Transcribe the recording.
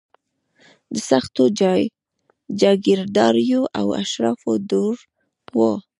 د سختو جاګیرداریو او اشرافو دور و.